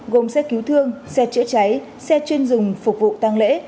gồm xe cứu thương xe chữa cháy xe chuyên dùng phục vụ tăng lễ